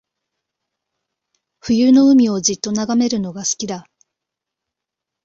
冬の海をじっと眺めるのが好きだ